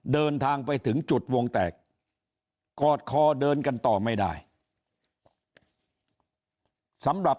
เดินทางไปถึงจุดวงแตกกอดคอเดินกันต่อไม่ได้สำหรับ